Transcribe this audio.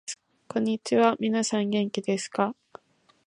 こんにちは、みなさん元気ですか？